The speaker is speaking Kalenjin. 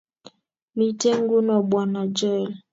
Mito nguno bwana Joel